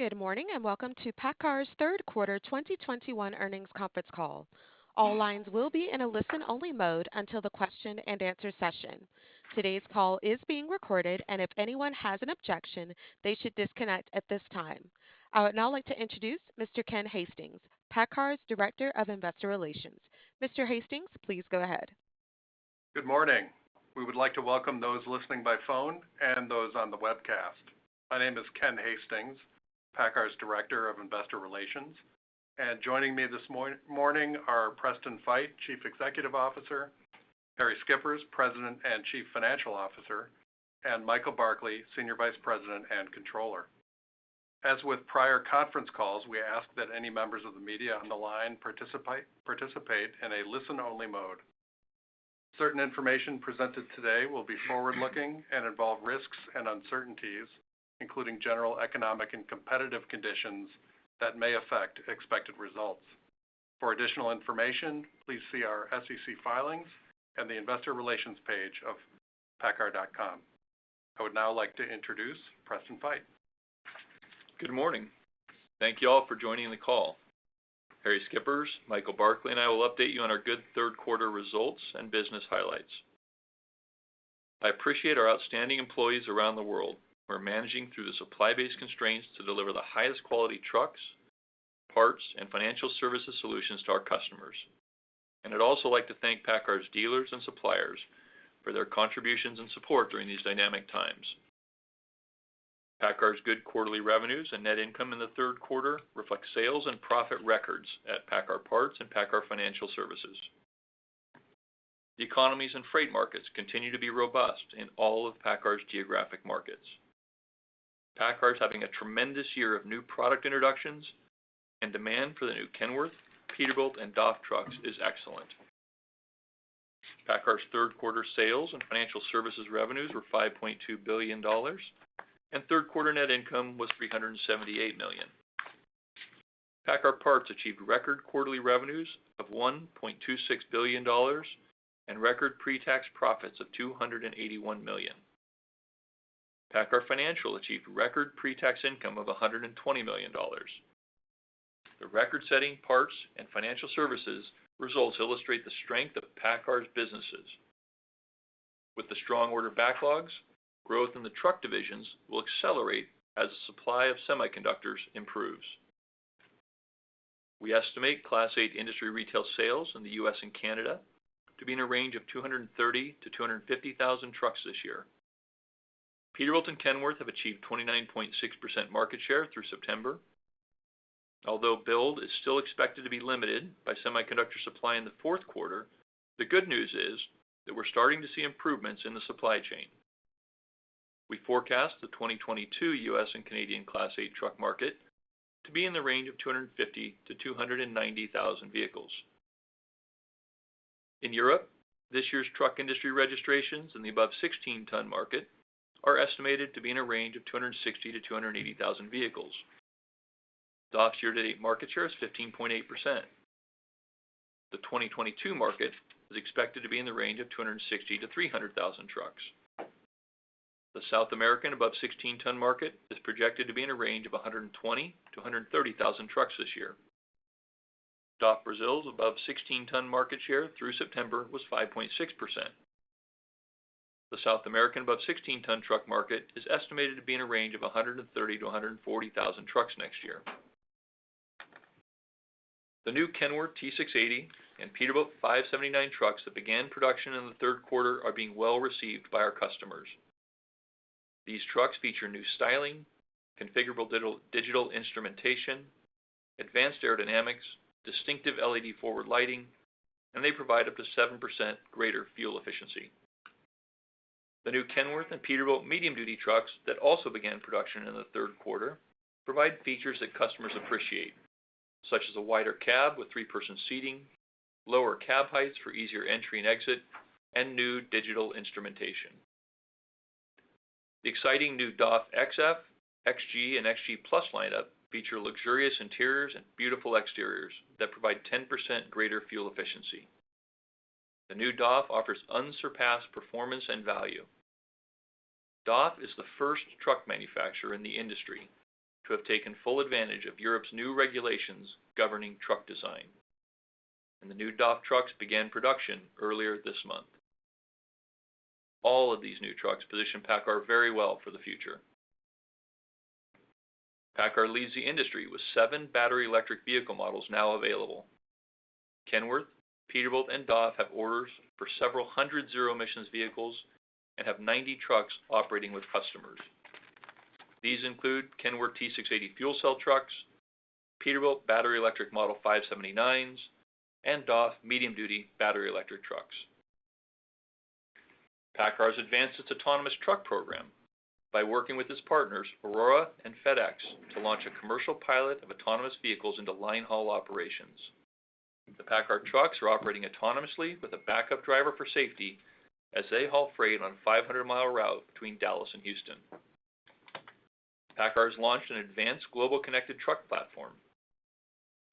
Good morning, and welcome to PACCAR's third quarter 2021 earnings conference call. All lines will be in a listen-only mode until the question and answer session. Today's call is being recorded, and if anyone has an objection, they should disconnect at this time. I would now like to introduce Mr. Ken Hastings, PACCAR's Director of Investor Relations. Mr. Hastings, please go ahead. Good morning. We would like to welcome those listening by phone and those on the webcast. My name is Ken Hastings, PACCAR's Director of Investor Relations. Joining me this morning are Preston Feight, Chief Executive Officer, Harrie Schippers, President and Chief Financial Officer, and Michael Barkley, Senior Vice President and Controller. As with prior conference calls, we ask that any members of the media on the line participate in a listen-only mode. Certain information presented today will be forward-looking and involve risks and uncertainties, including general economic and competitive conditions that may affect expected results. For additional information, please see our SEC filings and the investor relations page of paccar.com. I would now like to introduce Preston Feight. Good morning. Thank you all for joining the call. Harrie Michael Barkley, and I will update you on our good third quarter results and business highlights. I appreciate our outstanding employees around the world who are managing through the supply chain constraints to deliver the highest quality trucks, parts, and financial services solutions to our customers. I'd also like to thank PACCAR's dealers and suppliers for their contributions and support during these dynamic times. PACCAR's good quarterly revenues and net income in the third quarter reflect sales and profit records at PACCAR Parts and PACCAR Financial Services. The economies and freight markets continue to be robust in all of PACCAR's geographic markets. PACCAR's having a tremendous year of new product introductions and demand for the new Kenworth, Peterbilt, and DAF trucks is excellent. PACCAR's third quarter sales and financial services revenues were $5.2 billion, and third quarter net income was $378 million. PACCAR Parts achieved record quarterly revenues of $1.26 billion and record pre-tax profits of $281 million. PACCAR Financial achieved record pre-tax income of $120 million. The record-setting Parts and Financial Services results illustrate the strength of PACCAR's businesses. With the strong order backlogs, growth in the truck divisions will accelerate as the supply of semiconductors improves. We estimate Class 8 industry retail sales in the U.S. and Canada to be in a range of 230,000-250,000 trucks this year. Peterbilt and Kenworth have achieved 29.6% market share through September. Although build is still expected to be limited by semiconductor supply in the fourth quarter, the good news is that we're starting to see improvements in the supply chain. We forecast the 2022 U.S. and Canadian Class 8 truck market to be in the range of 250,000-290,000 vehicles. In Europe, this year's truck industry registrations in the above 16-tonne market are estimated to be in a range of 260,000-280,000 vehicles. DAF's year-to-date market share is 15.8%. The 2022 market is expected to be in the range of 260,000-300,000 trucks. The South American above 16-tonne market is projected to be in a range of 120,000-130,000 trucks this year. DAF Brasil's above 16-tonne market share through September was 5.6%. The South American above 16-tonne truck market is estimated to be in a range of 130,000-140,000 trucks next year. The new Kenworth T680 and Peterbilt 579 trucks that began production in the third quarter are being well-received by our customers. These trucks feature new styling, configurable digital instrumentation, advanced aerodynamics, distinctive LED forward lighting, and they provide up to 7% greater fuel efficiency. The new Kenworth and Peterbilt medium-duty trucks that also began production in the third quarter provide features that customers appreciate, such as a wider cab with three-person seating, lower cab heights for easier entry and exit, and new digital instrumentation. The exciting new DAF XF, XG, and XG+ lineup feature luxurious interiors and beautiful exteriors that provide 10% greater fuel efficiency. The new DAF offers unsurpassed performance and value. DAF is the first truck manufacturer in the industry to have taken full advantage of Europe's new regulations governing truck design. The new DAF trucks began production earlier this month. All of these new trucks position PACCAR very well for the future. PACCAR leads the industry with 7 battery electric vehicle models now available. Kenworth, Peterbilt, and DAF have orders for several hundred zero-emissions vehicles and have 90 trucks operating with customers. These include Kenworth T680 fuel cell trucks, Peterbilt battery electric model 579s, and DAF medium-duty battery electric trucks. PACCAR has advanced its autonomous truck program by working with its partners Aurora and FedEx to launch a commercial pilot of autonomous vehicles into line haul operations. The PACCAR trucks are operating autonomously with a backup driver for safety as they haul freight on a 500-mile route between Dallas and Houston. PACCAR has launched an advanced global connected truck platform.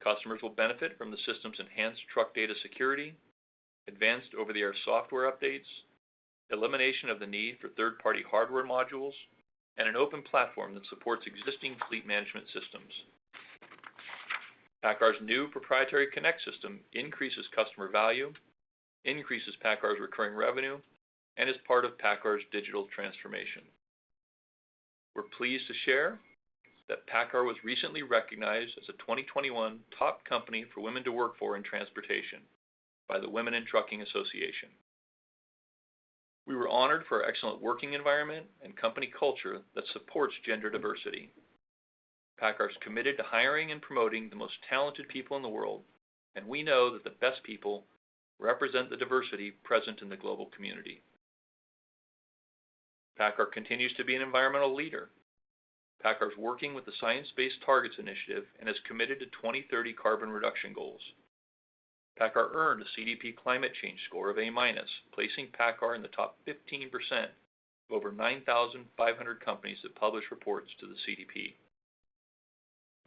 Customers will benefit from the system's enhanced truck data security, advanced over-the-air software updates, elimination of the need for third-party hardware modules, and an open platform that supports existing fleet management systems. PACCAR's new proprietary Connect system increases customer value, increases PACCAR's recurring revenue, and is part of PACCAR's digital transformation. We're pleased to share that PACCAR was recently recognized as a 2021 Top Company for Women to Work for in Transportation by the Women in Trucking Association. We were honored for our excellent working environment and company culture that supports gender diversity. PACCAR is committed to hiring and promoting the most talented people in the world, and we know that the best people represent the diversity present in the global community. PACCAR continues to be an environmental leader. PACCAR is working with the Science Based Targets initiative and has committed to 2030 carbon reduction goals. PACCAR earned a CDP climate change score of A-, placing PACCAR in the top 15% of over 9,500 companies that publish reports to the CDP.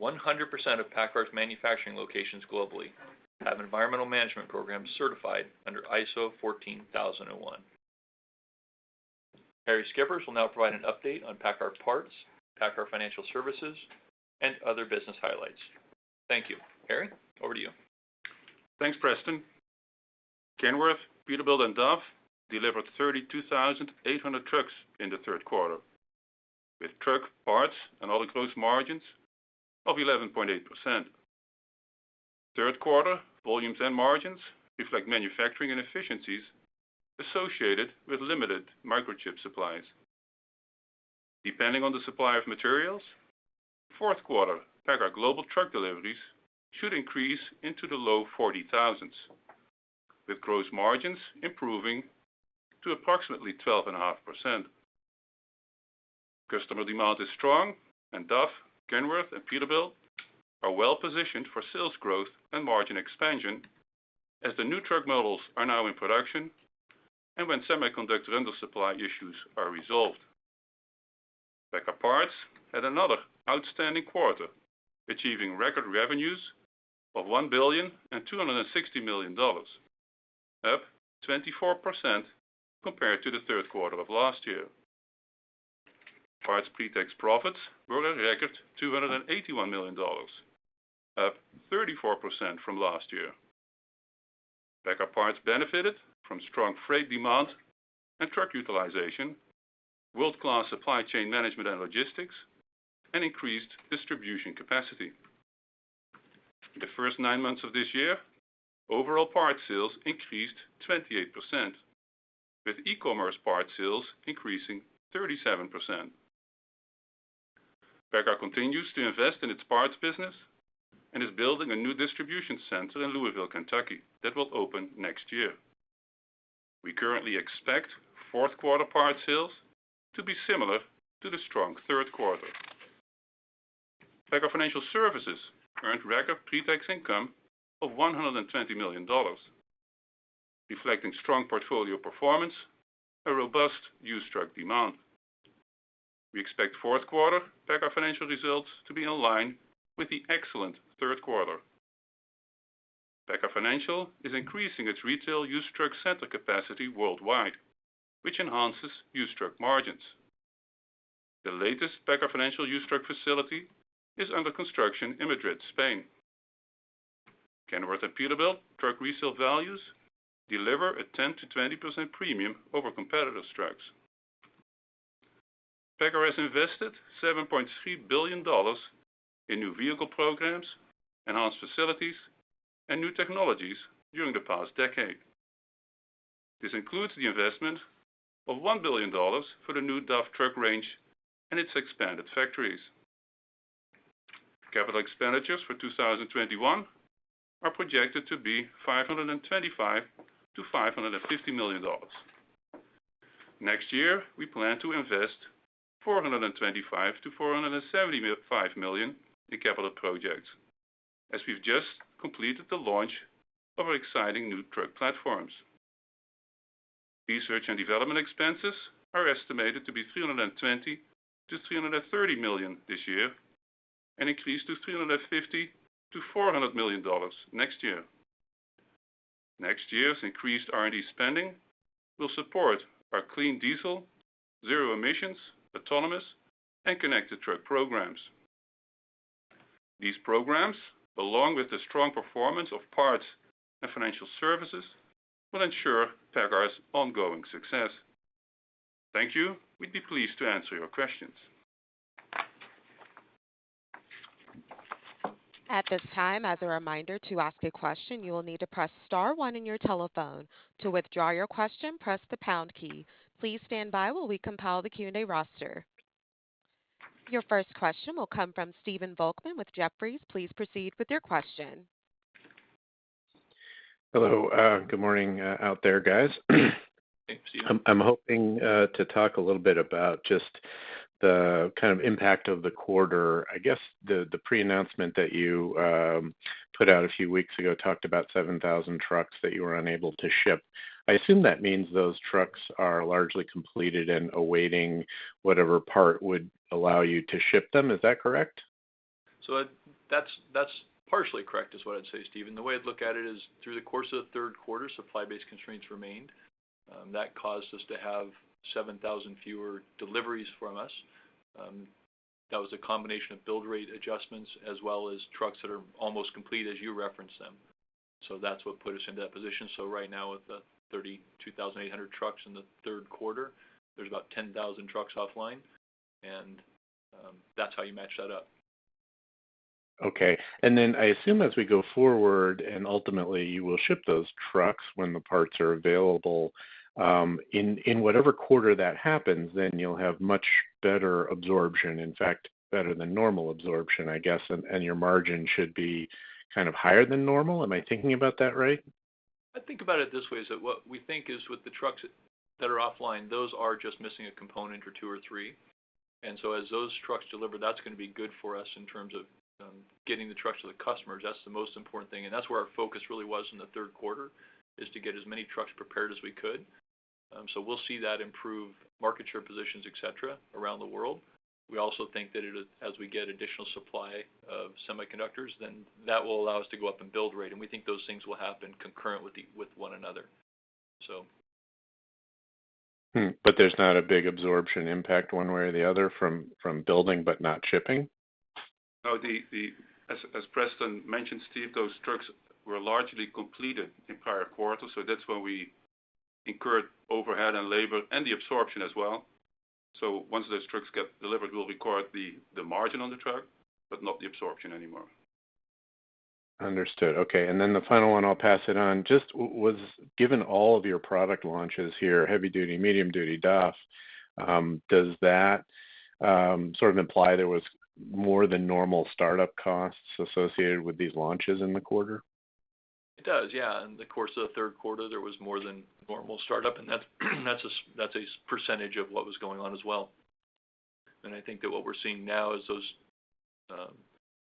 100% of PACCAR's manufacturing locations globally have environmental management programs certified under ISO 14001. Harrie Schippers will now provide an update on PACCAR Parts, PACCAR Financial Services, and other business highlights. Thank you. Harrie, over to you. Thanks, Preston. Kenworth, Peterbilt, and DAF delivered 32,800 trucks in the third quarter, with truck parts and all the close margins of 11.8%. Third quarter volumes and margins reflect manufacturing inefficiencies associated with limited microchip supplies. Depending on the supply of materials, fourth quarter PACCAR global truck deliveries should increase into the low 40,000s, with growth margins improving to approximately 12.5%. Customer demand is strong, and DAF, Kenworth, and Peterbilt are well-positioned for sales growth and margin expansion as the new truck models are now in production and when semiconductor under-supply issues are resolved. PACCAR Parts had another outstanding quarter, achieving record revenues of $1.26 billion, up 24% compared to the third quarter of last year. Parts pre-tax profits were a record $281 million, up 34% from last year. PACCAR Parts benefited from strong freight demand and truck utilization, world-class supply chain management and logistics, and increased distribution capacity. In the first 9 months of this year, overall parts sales increased 28%, with e-commerce parts sales increasing 37%. PACCAR continues to invest in its parts business and is building a new distribution center in Louisville, Kentucky, that will open next year. We currently expect fourth quarter parts sales to be similar to the strong third quarter. PACCAR Financial Services earned record pre-tax income of $120 million, reflecting strong portfolio performance and robust used truck demand. We expect fourth quarter PACCAR Financial results to be in line with the excellent third quarter. PACCAR Financial is increasing its retail used truck center capacity worldwide, which enhances used truck margins. The latest PACCAR Financial used truck facility is under construction in Madrid, Spain. Kenworth and Peterbilt truck resale values deliver a 10%-20% premium over competitors' trucks. PACCAR has invested $7.3 billion in new vehicle programs, enhanced facilities, and new technologies during the past decade. This includes the investment of $1 billion for the new DAF truck range and its expanded factories. Capital expenditures for 2021 are projected to be $525 million-$550 million. Next year, we plan to invest $425 million-$475 million in capital projects as we've just completed the launch of our exciting new truck platforms. Research and development expenses are estimated to be $320 million-$330 million this year and increase to $350 million-$400 million next year. Next year's increased R&D spending will support our clean diesel, zero-emissions, autonomous, and connected truck programs. These programs, along with the strong performance of parts and financial services, will ensure PACCAR's ongoing success. Thank you. We'd be pleased to answer your questions. At this time, as a reminder, to ask a question, you will need to press star one in your telephone. To withdraw your question, press the pound key. Please stand by while we compile the Q&A roster. Your first question will come from Stephen Volkmann with Jefferies. Please proceed with your question. Hello. Good morning, out there, guys. Thanks, Steve. I'm hoping to talk a little bit about just the kind of impact of the quarter. I guess the pre-announcement that you put out a few weeks ago talked about 7,000 trucks that you were unable to ship. I assume that means those trucks are largely completed and awaiting whatever part would allow you to ship them. Is that correct? That's partially correct is what I'd say, Stephen. The way I'd look at it is through the course of the third quarter, supply-based constraints remained. That caused us to have 7,000 fewer deliveries from us. That was a combination of build rate adjustments as well as trucks that are almost complete as you referenced them. That's what put us in that position. Right now with the 32,800 trucks in the third quarter, there's about 10,000 trucks offline, and that's how you match that up. Okay. Then I assume as we go forward, and ultimately you will ship those trucks when the parts are available, in whatever quarter that happens, then you'll have much better absorption, in fact, better than normal absorption, I guess. Your margin should be kind of higher than normal. Am I thinking about that right? I think about it this way, what we think is with the trucks that are offline, those are just missing a component or two or three. As those trucks deliver, that's going to be good for us in terms of getting the trucks to the customers. That's the most important thing. That's where our focus really was in the third quarter, to get as many trucks prepared as we could. We'll see that improve market share positions, et cetera, around the world. We also think that as we get additional supply of semiconductors, that will allow us to go up in build rate. We think those things will happen concurrent with one another. There's not a big absorption impact one way or the other from building but not shipping? As Preston mentioned, Steve, those trucks were largely completed in prior quarters, so that's when we incurred overhead and labor and the absorption as well. Once those trucks get delivered, we'll record the margin on the truck, but not the absorption anymore. Understood. Okay. The final one, I'll pass it on. Just was, given all of your product launches here, heavy-duty, medium-duty, DAF, does that sort of imply there was more than normal startup costs associated with these launches in the quarter? It does, yeah. In the course of the third quarter, there was more than normal startup, and that's a percentage of what was going on as well. I think that what we're seeing now is those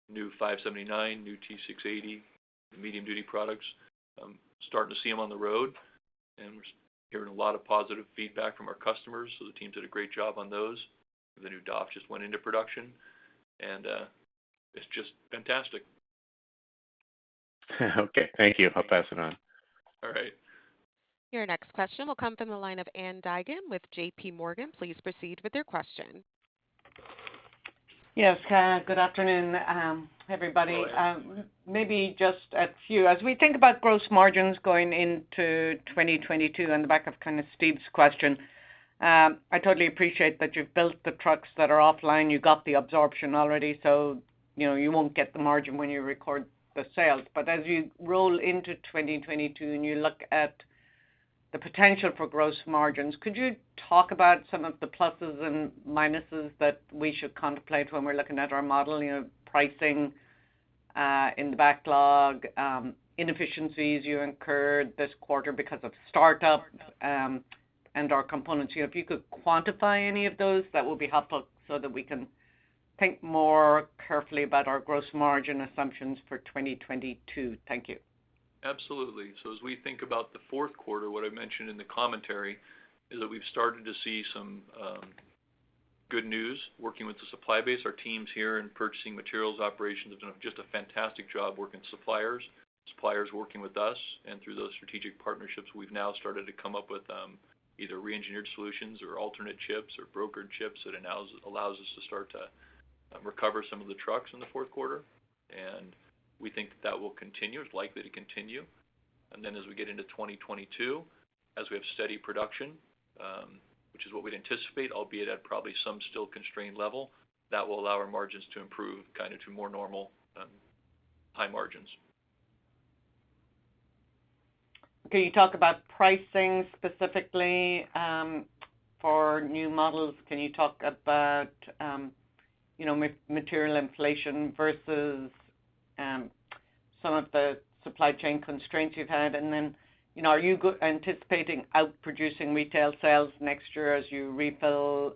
new 579, new T680 medium-duty products. I'm starting to see them on the road, and we're hearing a lot of positive feedback from our customers. The teams did a great job on those. The new DAF just went into production, and it's just fantastic. Okay. Thank you. I'll pass it on. All right. Your next question will come from the line of Ann Duignan with JPMorgan. Please proceed with your question. Yes. Good afternoon, everybody. Hello, Ann. Maybe just a few. As we think about gross margins going into 2022 on the back of kind of Steve's question, I totally appreciate that you've built the trucks that are offline. You got the absorption already, so you know, you won't get the margin when you record the sales. As you roll into 2022, and you look at the potential for gross margins, could you talk about some of the pluses and minuses that we should contemplate when we're looking at our modeling of pricing in the backlog, inefficiencies you incurred this quarter because of startup, and/or components? You know, if you could quantify any of those, that would be helpful so that we can think more carefully about our gross margin assumptions for 2022. Thank you. Absolutely. As we think about the fourth quarter, what I mentioned in the commentary is that we've started to see some good news working with the supply base. Our teams here in purchasing materials operations have done just a fantastic job working with suppliers working with us. Through those strategic partnerships, we've now started to come up with either re-engineered solutions or alternate chips or brokered chips that allows us to start to recover some of the trucks in the fourth quarter. We think that will continue. It's likely to continue. Then as we get into 2022, as we have steady production, which is what we'd anticipate, albeit at probably some still constrained level, that will allow our margins to improve kind of to more normal high margins. Can you talk about pricing specifically for new models? Can you talk about, you know, material inflation versus some of the supply chain constraints you've had? You know, are you anticipating outproducing retail sales next year as you refill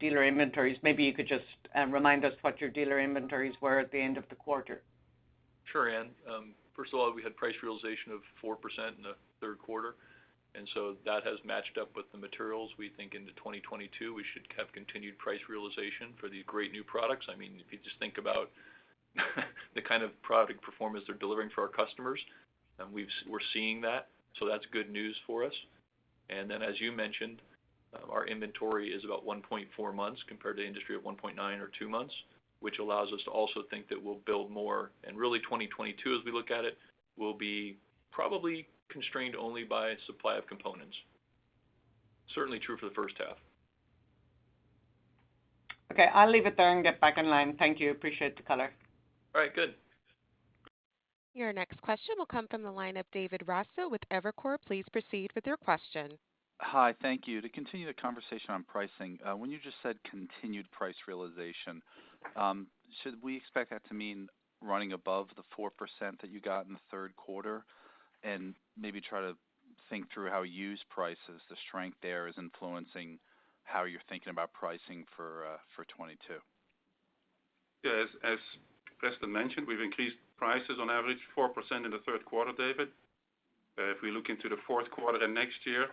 dealer inventories? Maybe you could just remind us what your dealer inventories were at the end of the quarter. Sure, Ann. First of all, we had price realization of 4% in the third quarter, and so that has matched up with the materials. We think into 2022, we should have continued price realization for these great new products. I mean, if you just think about the kind of product performance they're delivering for our customers, and we're seeing that. That's good news for us. As you mentioned, our inventory is about 1.4 months compared to industry of 1.9 or 2 months, which allows us to also think that we'll build more. Really, 2022, as we look at it, will be probably constrained only by supply of components. Certainly true for the first half. Okay. I'll leave it there and get back in line. Thank you. Appreciate the color. All right, good. Your next question will come from the line of David Raso with Evercore. Please proceed with your question. Hi. Thank you. To continue the conversation on pricing, when you just said continued price realization, should we expect that to mean running above the 4% that you got in the third quarter? Maybe try to think through how used prices, the strength there is influencing how you're thinking about pricing for 2022. Yeah, as Preston mentioned, we've increased prices on average 4% in the third quarter, David. If we look into the fourth quarter and next year,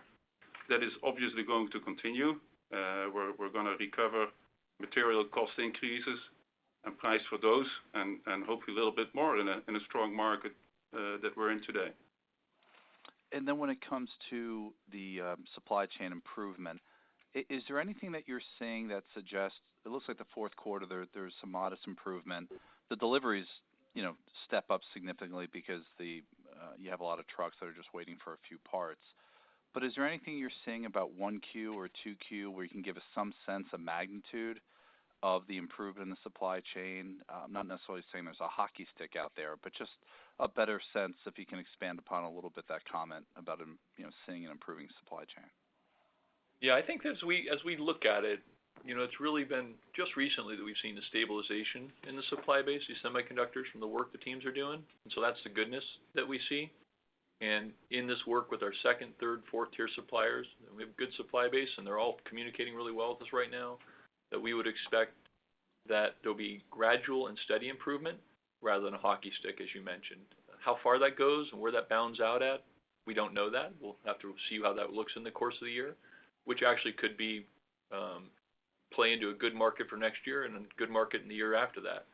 that is obviously going to continue. We're gonna recover material cost increases and price for those and hopefully a little bit more in a strong market that we're in today. When it comes to the supply chain improvement, is there anything that you're seeing that suggests. It looks like the fourth quarter there's some modest improvement. The deliveries, you know, step up significantly because you have a lot of trucks that are just waiting for a few parts. But is there anything you're seeing about 1Q or 2Q where you can give us some sense of magnitude of the improvement in the supply chain? I'm not necessarily saying there's a hockey stick out there, but just a better sense, if you can expand upon a little bit that comment about you know, seeing an improving supply chain. Yeah. I think as we look at it, you know, it's really been just recently that we've seen the stabilization in the supply base, these semiconductors from the work the teams are doing, and so that's the goodness that we see. In this work with our second, third, fourth tier suppliers, we have a good supply base, and they're all communicating really well with us right now, that we would expect that there'll be gradual and steady improvement rather than a hockey stick, as you mentioned. How far that goes and where that balances out at, we don't know that. We'll have to see how that looks in the course of the year, which actually could play into a good market for next year and a good market in the year after that.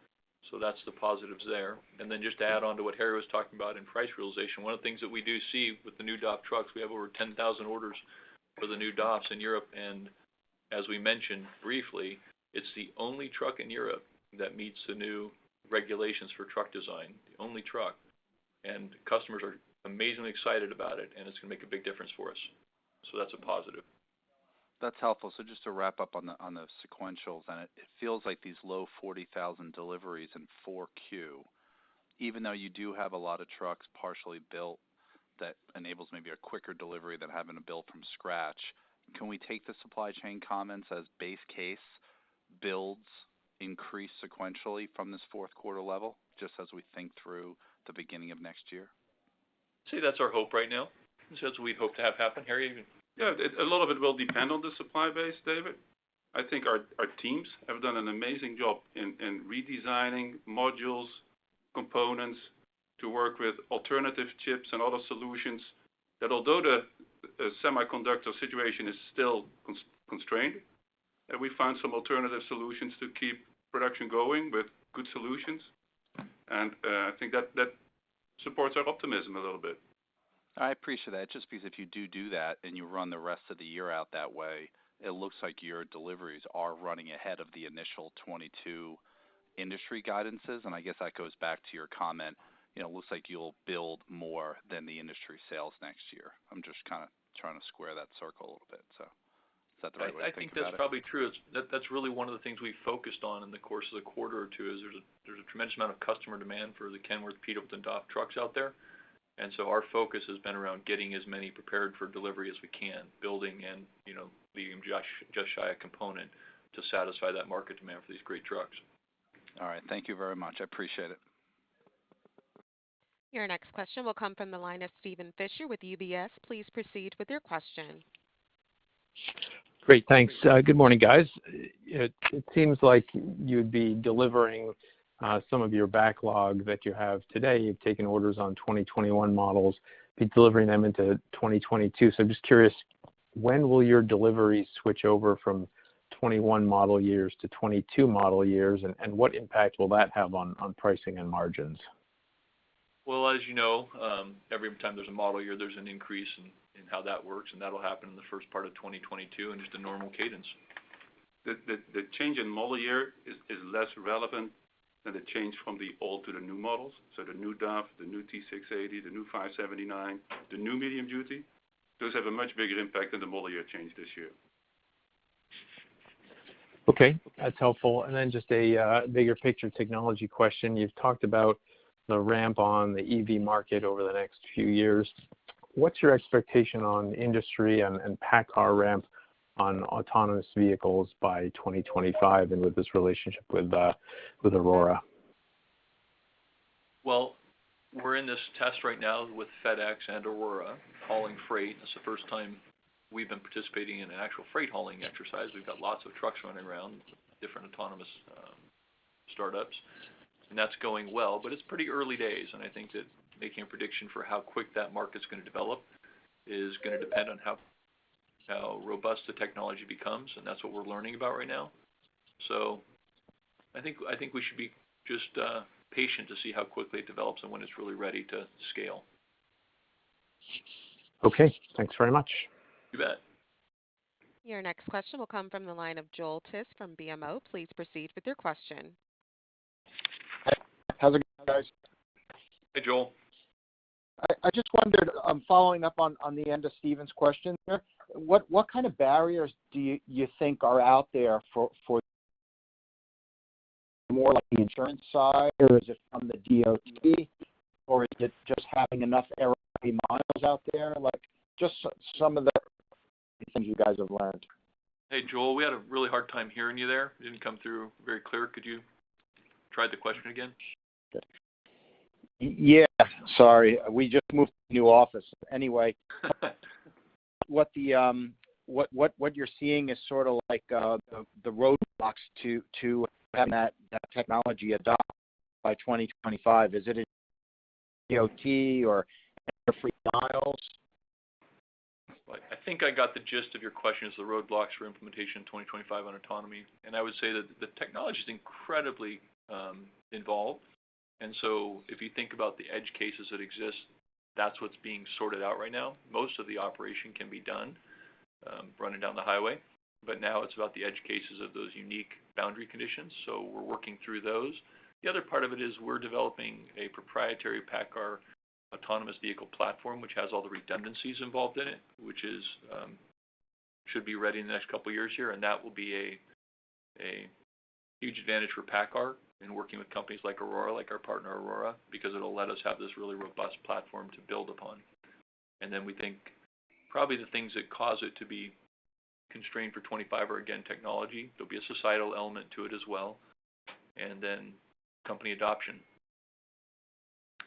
That's the positives there. Just to add on to what Harrie was talking about in price realization, one of the things that we do see with the new DAF trucks, we have over 10,000 orders for the new DAFs in Europe. As we mentioned briefly, it's the only truck in Europe that meets the new regulations for truck design, the only truck. Customers are amazingly excited about it, and it's gonna make a big difference for us. That's a positive. That's helpful. Just to wrap up on the sequentials, and it feels like these low 40,000 deliveries in 4Q, even though you do have a lot of trucks partially built, that enables maybe a quicker delivery than having to build from scratch. Can we take the supply chain comments as base case builds increase sequentially from this fourth quarter level just as we think through the beginning of next year? I'd say that's our hope right now. It's what we hope to have happen. Harrie? Yeah. A lot of it will depend on the supply base, David. I think our teams have done an amazing job in redesigning modules, components to work with alternative chips and other solutions that although the semiconductor situation is still constrained, that we found some alternative solutions to keep production going with good solutions. I think that supports our optimism a little bit. I appreciate that. Just because if you do that, and you run the rest of the year out that way, it looks like your deliveries are running ahead of the initial 2022 industry guidances. I guess that goes back to your comment, you know, it looks like you'll build more than the industry sales next year. I'm just kinda trying to square that circle a little bit. Is that the right way to think about it? I think that's probably true. That's really one of the things we focused on in the course of the quarter or two, there's a tremendous amount of customer demand for the Kenworth, Peterbilt, and DAF trucks out there. Our focus has been around getting as many prepared for delivery as we can, building and, you know, being just shy of a component to satisfy that market demand for these great trucks. All right. Thank you very much. I appreciate it. Your next question will come from the line of Steven Fisher with UBS. Please proceed with your question. Great. Thanks. Good morning, guys. It seems like you'd be delivering some of your backlog that you have today. You've taken orders on 2021 models, be delivering them into 2022. I'm just curious, when will your deliveries switch over from '21 model years to '22 model years, and what impact will that have on pricing and margins? Well, as you know, every time there's a model year, there's an increase in how that works, and that'll happen in the first part of 2022 and just the normal cadence. The change in model year is less relevant than the change from the old to the new models. The new DAF, the new T680, the new 579, the new medium-duty, those have a much bigger impact than the model year change this year. Okay. That's helpful. Just a bigger picture technology question. You've talked about the ramp on the EV market over the next few years. What's your expectation on industry and PACCAR ramp on autonomous vehicles by 2025 and with this relationship with Aurora? Well, we're in this test right now with FedEx and Aurora hauling freight. It's the first time we've been participating in an actual freight-hauling exercise. We've got lots of trucks running around with different autonomous startups, and that's going well, but it's pretty early days. I think that making a prediction for how quick that market's gonna develop is gonna depend on how robust the technology becomes, and that's what we're learning about right now. I think we should be just patient to see how quickly it develops and when it's really ready to scale. Okay. Thanks very much. You bet. Your next question will come from the line of Joel Tiss from BMO. Please proceed with your question. Hey. How's it going, guys? Hey, Joel. I just wondered, following up on the end of Steven's question there, what kind of barriers do you think are out there for more like the insurance side, or is it from the DOT, or is it just having enough miles out there? Like, just some of the things you guys have learned. Hey, Joel. We had a really hard time hearing you there. You didn't come through very clear. Could you try the question again? Yeah. Sorry. We just moved to a new office. Anyway, what you're seeing is sort of like the roadblocks to having that technology adopted by 2025. Is it ADAS or error-free miles? I think I got the gist of your question, which is the roadblocks for implementation in 2025 on autonomy. I would say that the technology is incredibly involved. If you think about the edge cases that exist, that's what's being sorted out right now. Most of the operation can be done running down the highway, but now it's about the edge cases of those unique boundary conditions. We're working through those. The other part of it is we're developing a proprietary PACCAR autonomous vehicle platform, which has all the redundancies involved in it, which should be ready in the next couple of years here. That will be a huge advantage for PACCAR in working with companies like Aurora, like our partner Aurora, because it'll let us have this really robust platform to build upon. Then we think probably the things that cause it to be constrained for 25 are again technology. There'll be a societal element to it as well, and then company adoption.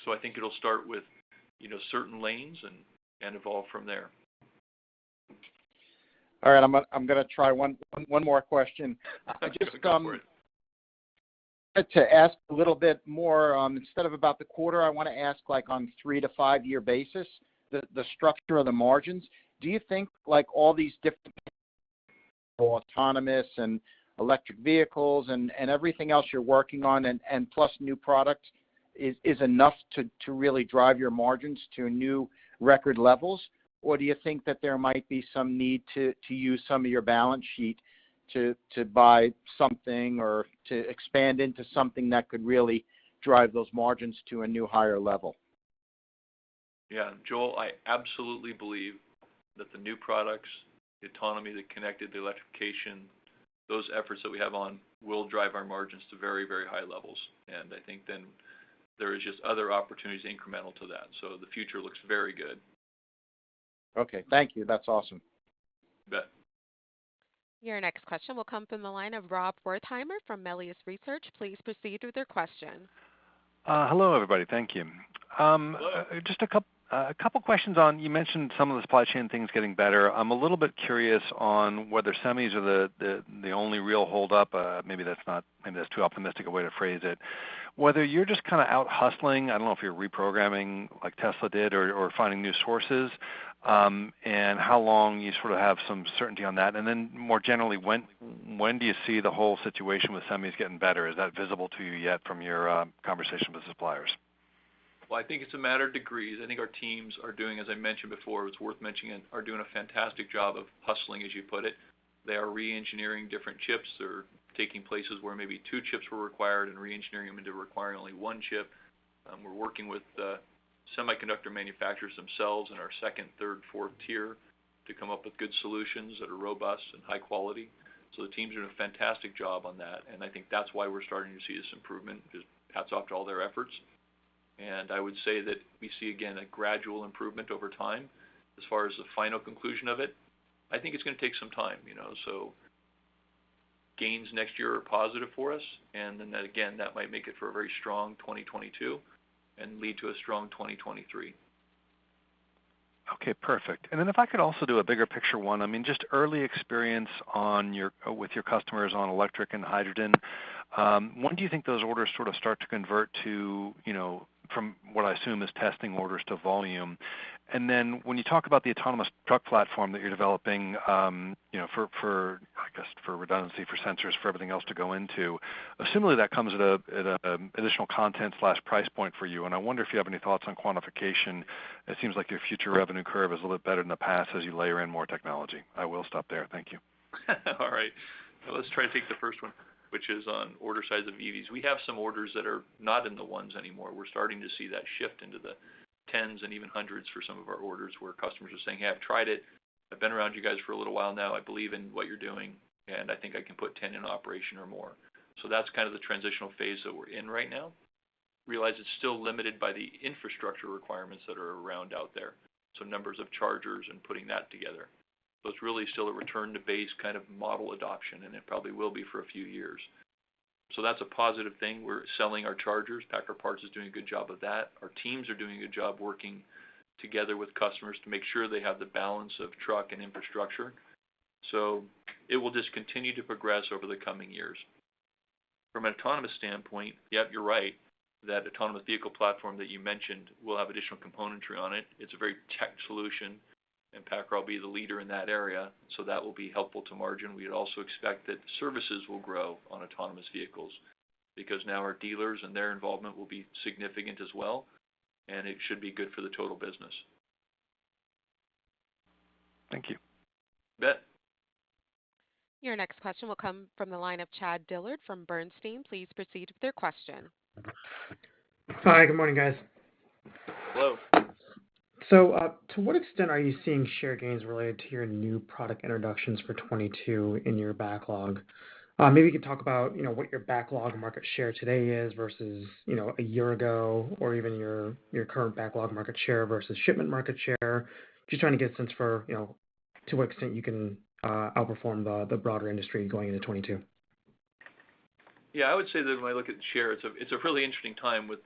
I think it'll start with, you know, certain lanes and evolve from there. All right. I'm gonna try one more question. Go for it. I just came to ask a little bit more, instead of about the quarter, I want to ask like on 3-5-year basis, the structure of the margins. Do you think like all these different autonomous and electric vehicles and everything else you're working on and plus new products is enough to really drive your margins to new record levels? Or do you think that there might be some need to use some of your balance sheet to buy something or to expand into something that could really drive those margins to a new higher level? Yeah. Joel, I absolutely believe that the new products, the autonomy, the connected, the electrification, those efforts that we have on will drive our margins to very, very high levels. I think then there is just other opportunities incremental to that. The future looks very good. Okay. Thank you. That's awesome. You bet. Your next question will come from the line of Rob Wertheimer from Melius Research. Please proceed with your question. Hello, everybody. Thank you. Just a couple of questions on what you mentioned some of the supply chain things getting better. I'm a little bit curious on whether semis are the only real hold up. Maybe that's too optimistic a way to phrase it. Whether you're just kind of out hustling, I don't know if you're reprogramming like Tesla did or finding new sources, and how long you sort of have some certainty on that. And then more generally, when do you see the whole situation with semis getting better? Is that visible to you yet from your conversation with suppliers? Well, I think it's a matter of degrees. I think our teams are doing, as I mentioned before, it's worth mentioning, a fantastic job of hustling, as you put it. They are re-engineering different chips. They're taking places where maybe two chips were required and re-engineering them into requiring only one chip. We're working with semiconductor manufacturers themselves in our second, third, fourth tier to come up with good solutions that are robust and high quality. The teams are doing a fantastic job on that. I think that's why we're starting to see this improvement, 'cause hats off to all their efforts. I would say that we see, again, a gradual improvement over time. As far as the final conclusion of it, I think it's gonna take some time, you know. Gains next year are positive for us. That might make it for a very strong 2022 and lead to a strong 2023. Okay, perfect. If I could also do a bigger picture one. I mean, just early experience with your customers on electric and hydrogen. When do you think those orders sort of start to convert to, you know, from what I assume is testing orders to volume? When you talk about the autonomous truck platform that you're developing, you know, for, I guess, for redundancy, for sensors, for everything else to go into, similarly, that comes at a additional content/price point for you. I wonder if you have any thoughts on quantification. It seems like your future revenue curve is a little better than the past as you layer in more technology. I will stop there. Thank you. All right. Let's try to take the first one, which is on order size of EVs. We have some orders that are not in the ones anymore. We're starting to see that shift into the 10s and even 100s for some of our orders where customers are saying, "Hey, I've tried it. I've been around you guys for a little while now. I believe in what you're doing, and I think I can put 10 in operation or more." That's kind of the transitional phase that we're in right now. Realize it's still limited by the infrastructure requirements that are around out there, so numbers of chargers and putting that together. It's really still a return-to-base kind of model adoption, and it probably will be for a few years. That's a positive thing. We're selling our chargers. PACCAR Parts is doing a good job of that. Our teams are doing a good job working together with customers to make sure they have the balance of truck and infrastructure. It will just continue to progress over the coming years. From an autonomous standpoint, yep, you're right, that autonomous vehicle platform that you mentioned will have additional componentry on it. It's a very tech solution, and PACCAR will be the leader in that area. That will be helpful to margin. We also expect that services will grow on autonomous vehicles because now our dealers and their involvement will be significant as well, and it should be good for the total business. Thank you. You bet. Your next question will come from the line of Chad Dillard from Bernstein. Please proceed with your question. Hi, good morning, guys. Hello. To what extent are you seeing share gains related to your new product introductions for 2022 in your backlog? Maybe you could talk about, you know, what your backlog market share today is versus, you know, a year ago or even your current backlog market share versus shipment market share. Just trying to get a sense for, you know, to what extent you can outperform the broader industry going into 2022. Yeah, I would say that when I look at share, it's a really interesting time with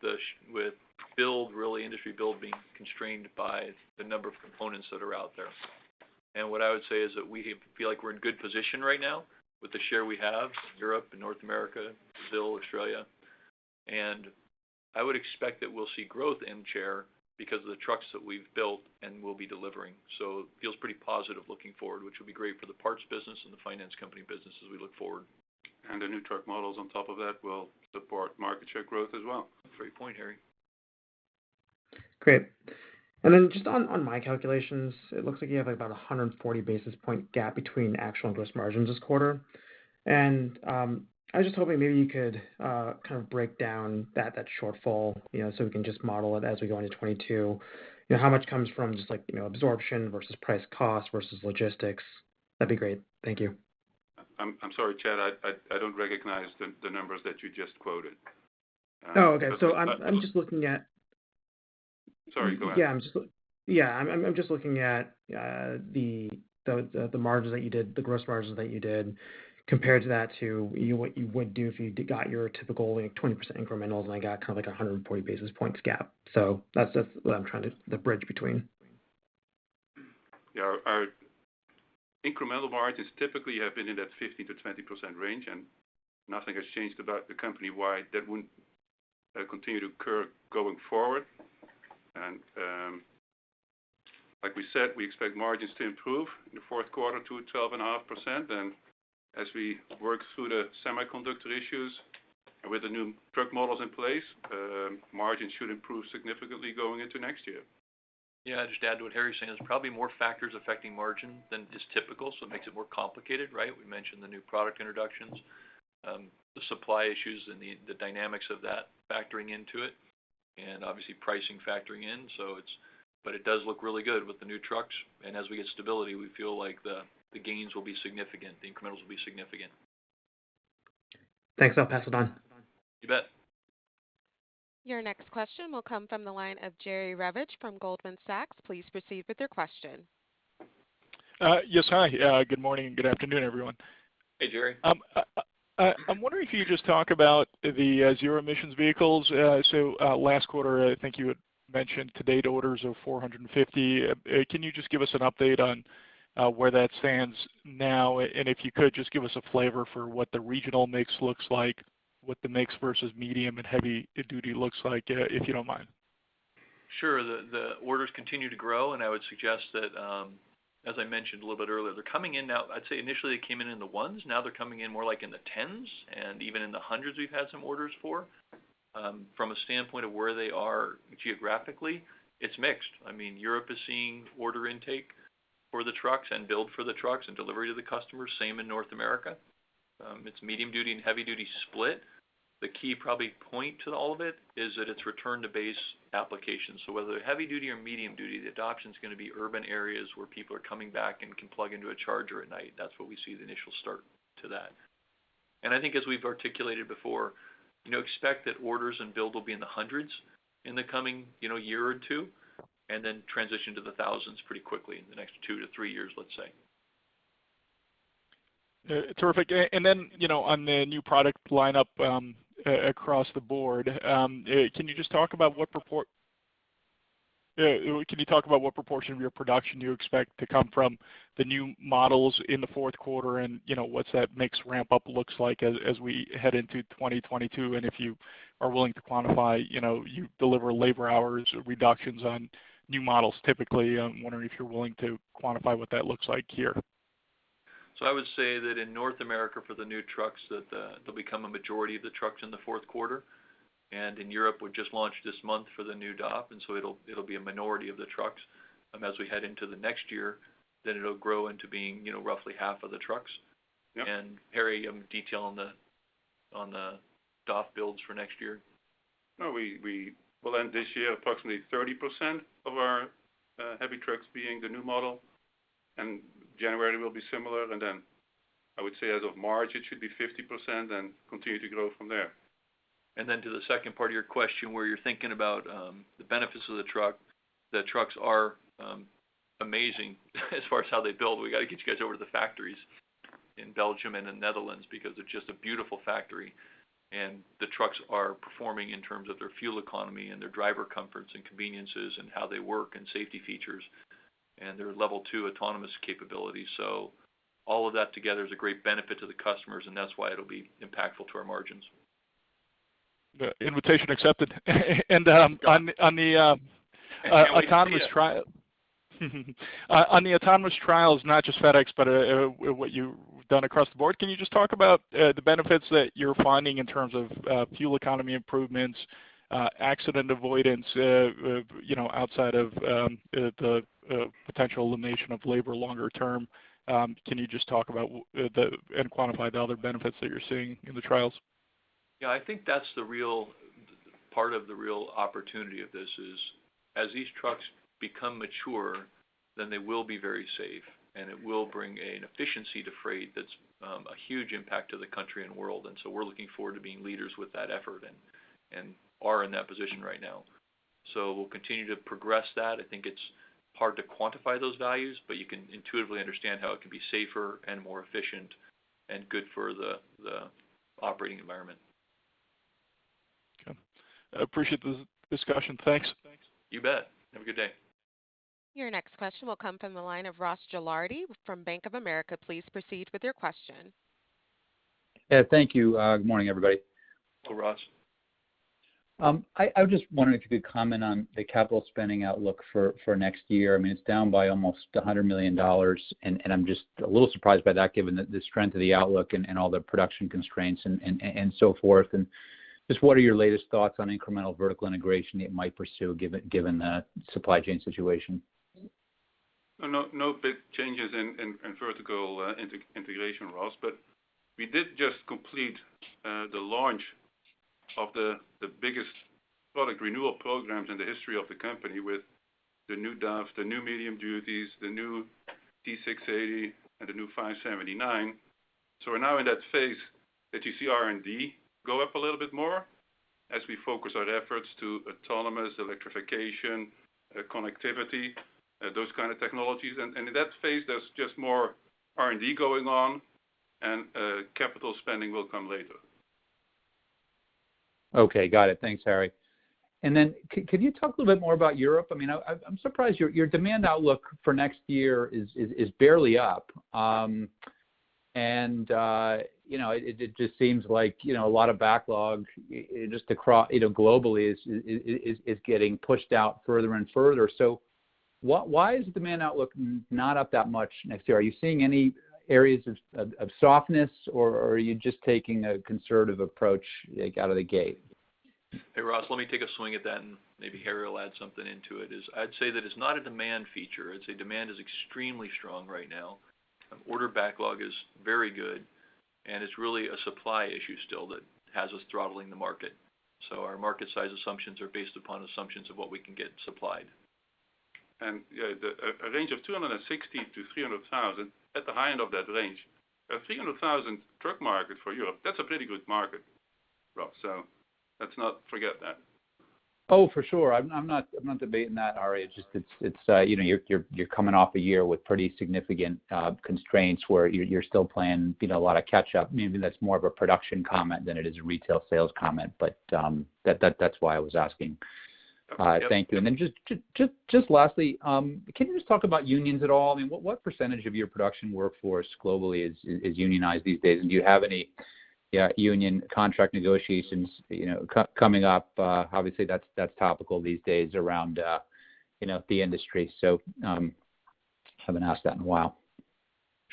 build, really industry build being constrained by the number of components that are out there. What I would say is that we feel like we're in good position right now with the share we have, Europe and North America, Brazil, Australia. I would expect that we'll see growth in share because of the trucks that we've built and will be delivering. It feels pretty positive looking forward, which will be great for the parts business and the finance company business as we look forward. The new truck models on top of that will support market share growth as well. Great point, Harrie. Great. Then just on my calculations, it looks like you have about 140-basis-point gap between actual gross margins this quarter. I was just hoping maybe you could kind of break down that shortfall, you know, so we can just model it as we go into 2022. You know, how much comes from just like, you know, absorption versus price/cost versus logistics. That'd be great. Thank you. I'm sorry, Chad, I don't recognize the numbers that you just quoted. Oh, okay. I'm just looking at. Sorry, go ahead. Yeah. I'm just looking at the margins that you did, the gross margins that you did, compared to what you would do if you got your typical, like, 20% incrementals, and I got kind of like a 140-basis-points gap. That's what I'm trying to the bridge between. Yeah. Our incremental margins typically have been in that 15%-20% range, and nothing has changed about the company why that wouldn't continue to occur going forward. Like we said, we expect margins to improve in the fourth quarter to 12.5%. As we work through the semiconductor issues with the new truck models in place, margins should improve significantly going into next year. Yeah. Just to add to what Harrie's saying, there's probably more factors affecting margin than is typical, so it makes it more complicated, right? We mentioned the new product introductions, the supply issues and the dynamics of that factoring into it, and obviously pricing factoring in. It's, but it does look really good with the new trucks. As we get stability, we feel like the gains will be significant. The incrementals will be significant. Thanks. I'll pass it on. You bet. Your next question will come from the line of Jerry Revich from Goldman Sachs. Please proceed with your question. Yes. Hi. Good morning. Good afternoon, everyone. Hey, Jerry. I'm wondering if you could just talk about the zero-emissions vehicles. So, last quarter, I think you had mentioned to-date orders of 450. Can you just give us an update on where that stands now? If you could, just give us a flavor for what the regional mix looks like, what the mix versus medium and heavy-duty looks like, if you don't mind. Sure. The orders continue to grow, and I would suggest that, as I mentioned a little bit earlier, they're coming in now. I'd say initially they came in in the 1s, now they're coming in more like in the 10s and even in the 100s we've had some orders for. From a standpoint of where they are geographically, it's mixed. I mean, Europe is seeing order intake for the trucks and build for the trucks and delivery to the customer. Same in North America. It's medium-duty and heavy-duty split. The key probably point to all of it is that it's return-to-base application. Whether heavy-duty or medium-duty, the adoption is going to be urban areas where people are coming back and can plug into a charger at night. That's what we see the initial start to that. I think as we've articulated before, you know, expect that orders and build will be in the hundreds in the coming, you know, year or 2, and then transition to the thousands pretty quickly in the next 2 to 3 years, let's say. Terrific. You know, on the new product lineup, across the board, can you just talk about what proportion of your production you expect to come from the new models in the fourth quarter? You know, what's that mix ramp up looks like as we head into 2022? If you are willing to quantify, you know, you deliver labor hours reductions on new models, typically. I'm wondering if you're willing to quantify what that looks like here. I would say that in North America for the new trucks, that they'll become a majority of the trucks in the fourth quarter. In Europe, we just launched this month for the new DAF, and so it'll be a minority of the trucks. As we head into the next year, then it'll grow into being, you know, roughly half of the trucks. Yep. Harrie, detail on the DAF builds for next year. No, well, then this year, approximately 30% of our heavy trucks being the new model, and January will be similar. Then I would say as of March, it should be 50% and continue to grow from there. To the second part of your question, where you're thinking about the benefits of the truck. The trucks are amazing as far as how they build. We got to get you guys over to the factories in Belgium and the Netherlands because they're just a beautiful factory. The trucks are performing in terms of their fuel economy and their driver comforts and conveniences and how they work and safety features and their Level 2 autonomous capabilities. All of that together is a great benefit to the customers, and that's why it'll be impactful to our margins. On the autonomous trials, not just FedEx, but what you've done across the board. Can you just talk about the benefits that you're finding in terms of fuel economy improvements, accident avoidance, you know, outside of the potential elimination of labor longer term? Can you just talk about and quantify the other benefits that you're seeing in the trials? Yeah, I think that's the real part of the real opportunity of this is as these trucks become mature, then they will be very safe, and it will bring an efficiency to freight that's a huge impact to the country and world. We're looking forward to being leaders with that effort and are in that position right now. We'll continue to progress that. I think it's hard to quantify those values, but you can intuitively understand how it can be safer and more efficient and good for the operating environment. Okay. I appreciate the discussion. Thanks. You bet. Have a good day. Your next question will come from the line of Ross Gilardi from Bank of America. Please proceed with your question. Yeah, thank you. Good morning, everybody. Hello, Ross. I was just wondering if you could comment on the capital spending outlook for next year. I mean, it's down by almost $100 million, and I'm just a little surprised by that given the strength of the outlook and so forth. Just what are your latest thoughts on incremental vertical integration it might pursue given the supply chain situation? No big changes in vertical integration, Ross. We did just complete the launch of the biggest product renewal programs in the history of the company with the new DAF, the new medium duties, the new T680 and the new 579. We're now in that phase that you see R&D go up a little bit more as we focus our efforts to autonomous electrification, connectivity, those kind of technologies. In that phase, there's just more R&D going on, and capital spending will come later. Okay, got it. Thanks, Harrie. Then can you talk a little bit more about Europe? I mean, I'm surprised your demand outlook for next year is barely up. You know, it just seems like, you know, a lot of backlogs just across you know, globally is getting pushed out further and further. Why is the demand outlook not up that much next year? Are you seeing any areas of softness or are you just taking a conservative approach, like out of the gate? Hey, Ross, let me take a swing at that and maybe Harrie will add something into it, is I'd say that it's not a demand feature. I'd say demand is extremely strong right now. Order backlog is very good, and it's really a supply issue still that has us throttling the market. Our market size assumptions are based upon assumptions of what we can get supplied. You know, a range of 260,000-300,000, at the high end of that range. A 300,000 truck market for Europe, that's a pretty good market, Ross. Let's not forget that. Oh, for sure. I'm not debating that, Harrie. It's just you know, you're coming off a year with pretty significant constraints where you're still playing you know, a lot of catch-up. Maybe that's more of a production comment than it is a retail sales comment. That's why I was asking. Yep. Thank you. Just lastly, can you just talk about unions at all? I mean, what percentage of your production workforce globally is unionized these days? And do you have any union contract negotiations, you know, coming up? Obviously, that's topical these days around, you know, the industry. Haven't asked that in a while.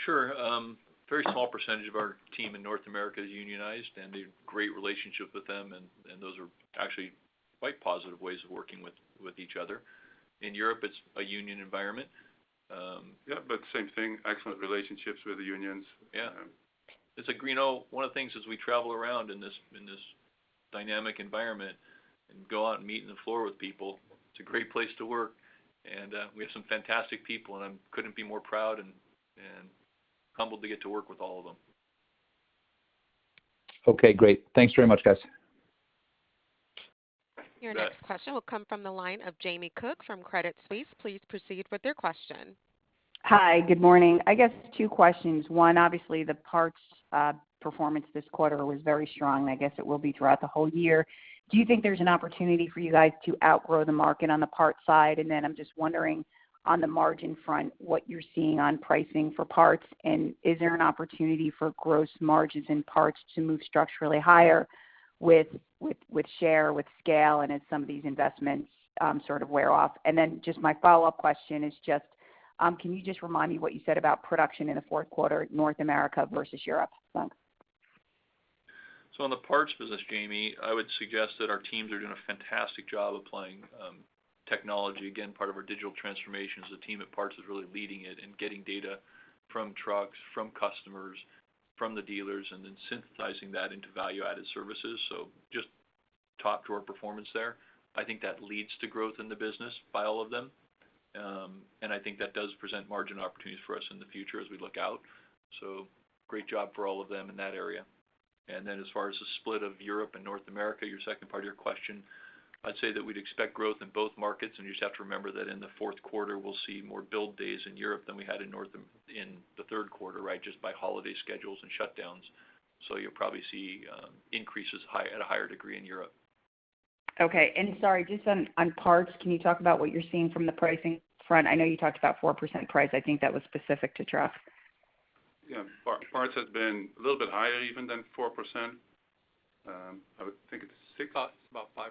Sure. Very small percentage of our team in North America is unionized, and a great relationship with them, and those are actually quite positive ways of working with each other. In Europe, it's a union environment. Yeah, same thing, excellent relationships with the unions. One of the things as we travel around in this dynamic environment and go out and meet on the floor with people, it's a great place to work. We have some fantastic people, and I couldn't be more proud and humbled to get to work with all of them. Okay, great. Thanks very much, guys. You bet. Your next question will come from the line of Jamie Cook from Credit Suisse. Please proceed with your question. Hi, good morning. I guess two questions. One, obviously the parts performance this quarter was very strong, and I guess it will be throughout the whole year. Do you think there's an opportunity for you guys to outgrow the market on the parts side? I'm just wondering on the margin front, what you're seeing on pricing for parts, and is there an opportunity for gross margins in parts to move structurally higher with share, with scale and as some of these investments sort of wear off? My follow-up question is just, can you just remind me what you said about production in the fourth quarter, North America versus Europe? Thanks. On the parts business, Jamie, I would suggest that our teams are doing a fantastic job applying technology. Again, part of our digital transformation is the team at parts is really leading it and getting data from trucks, from customers, from the dealers, and then synthesizing that into value-added services. Just top-notch performance there. I think that leads to growth in the business by all of them. I think that does present margin opportunities for us in the future as we look out. Great job for all of them in that area. As far as the split of Europe and North America, your second part of your question, I'd say that we'd expect growth in both markets, and you just have to remember that in the fourth quarter, we'll see more build days in Europe than we had in North America in the third quarter, right? Just by holiday schedules and shutdowns. You'll probably see increases at a higher degree in Europe. Okay. Sorry, just on parts, can you talk about what you're seeing from the pricing front? I know you talked about 4% price. I think that was specific to trucks. Yeah, PACCAR Parts have been a little bit higher even than 4%. I would think it's 6%. It's about 5%.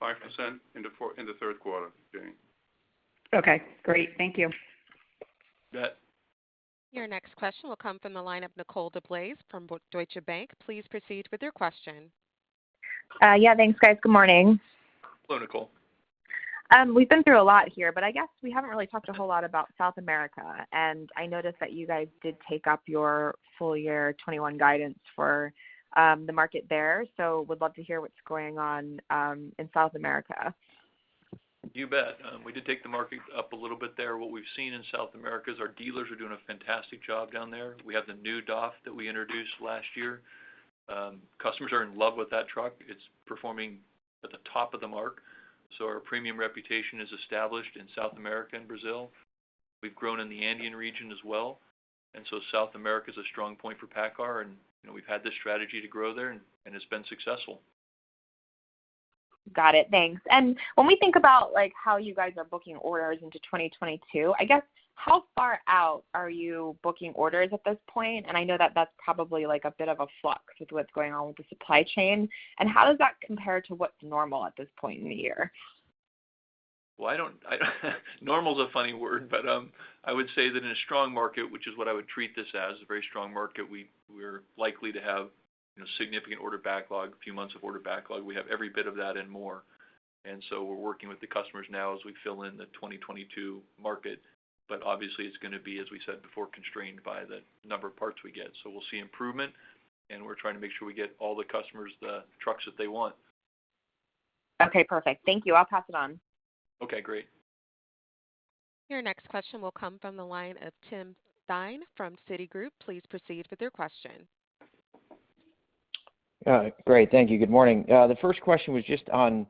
5% in the third quarter, Jamie. Okay, great. Thank you. You bet. Your next question will come from the line of Nicole DeBlase from Deutsche Bank. Please proceed with your question. Yeah, thanks, guys. Good morning. Hello, Nicole. We've been through a lot here, but I guess we haven't really talked a whole lot about South America. I noticed that you guys did take up your full year 2021 guidance for the market there. Would love to hear what's going on in South America. You bet. We did take the market up a little bit there. What we've seen in South America is our dealers are doing a fantastic job down there. We have the new DAF that we introduced last year. Customers are in love with that truck. It's performing at the top of the mark. Our premium reputation is established in South America and Brazil. We've grown in the Andean region as well. South America is a strong point for PACCAR, and, you know, we've had this strategy to grow there and it's been successful. Got it. Thanks. When we think about, like, how you guys are booking orders into 2022, I guess how far out are you booking orders at this point? I know that that's probably, like, a bit of a flux with what's going on with the supply chain. How does that compare to what's normal at this point in the year? Well, normal is a funny word, but I would say that in a strong market, which is what I would treat this as, a very strong market, we're likely to have, you know, significant order backlog, a few months of order backlog. We have every bit of that and more. We're working with the customers now as we fill in the 2022 market. Obviously it's gonna be, as we said before, constrained by the number of parts we get. We'll see improvement, and we're trying to make sure we get all the customers the trucks that they want. Okay, perfect. Thank you. I'll pass it on. Okay, great. Your next question will come from the line of Tim Thein from Citigroup. Please proceed with your question. Great. Thank you. Good morning. The first question was just on